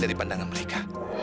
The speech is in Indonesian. dari pandangan mereka